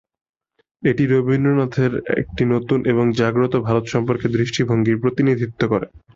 এটি রবীন্দ্রনাথের একটি নতুন এবং জাগ্রত ভারত সম্পর্কে দৃষ্টিভঙ্গির প্রতিনিধিত্ব করে।